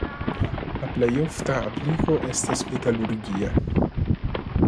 La plej ofta apliko estas metalurgia.